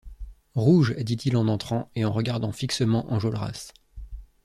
Rouge, dit-il en entrant, et en regardant fixement Enjolras.